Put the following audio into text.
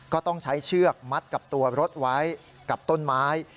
ก็ต้องใช้เชือกมัดกับตัวรถไว้กับต้นไม้